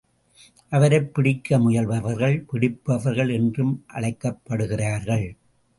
அவரைப் பிடிக்க முயல்பவர்கள், பிடிப்பவர்கள் என்றும் அழைக்கப் படுகிறார்கள்.